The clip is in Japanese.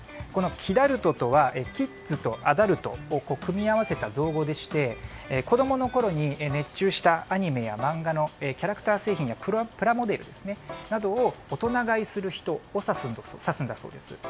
キダルトとはキッズとアダルトを組み合わせた造語でして子供のころに熱中したアニメや漫画のキャラクター製品やプラモデルなどを大人買いする人を指すんだそうです。